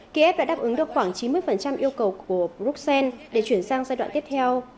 kiev đã đáp ứng được khoảng chín mươi yêu cầu của bruxelles để chuyển sang giai đoạn tiếp theo